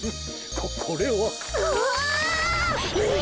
ここれは。うお！え！？